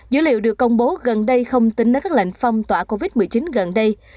dữ liệu được công bố gần đây không tính đến các lệnh phong tỏa covid một mươi chín gần đây